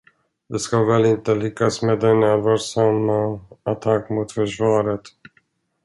Det ska väl inte lyckas med denna allvarsamma attack mot försvaret?